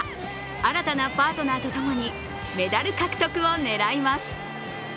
新たなパートナーと共にメダル獲得を狙います。